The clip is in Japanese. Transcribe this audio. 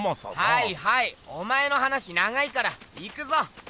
はいはいお前の話長いから行くぞ！